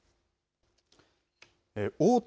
大手